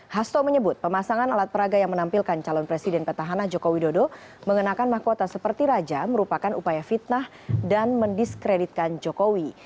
hasto menyebut pemasangan alat peraga yang menampilkan calon presiden petahana jokowi dodo mengenakan mahkota seperti raja merupakan upaya fitnah dan mendiskreditkan jokowi